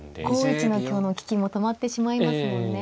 ５一の香の利きも止まってしまいますもんね。